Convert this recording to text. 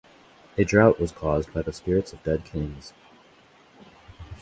A drought was caused by the spirits of dead kings.